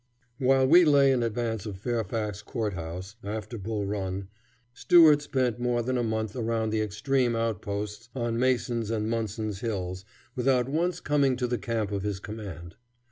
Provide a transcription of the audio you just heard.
While we lay in advance of Fairfax Court House, after Bull Run, Stuart spent more than a month around the extreme outposts on Mason's and Munson's hills without once coming to the camp of his command.